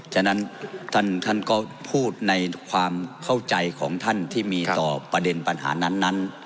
ฉะนั้นท่านก็พูดในความเข้าใจของท่านที่มีต่อประเด็นปัญหานั้น